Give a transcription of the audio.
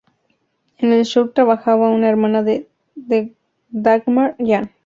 En el show trabajaba una hermana de Dagmar, Jean.